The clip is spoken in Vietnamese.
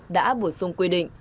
đã bổ sung quy định